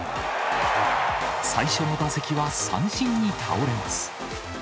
最初の打席は三振に倒れます。